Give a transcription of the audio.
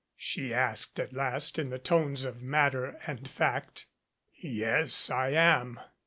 she asked at last in the tones of matter and fact. "Yes, I am.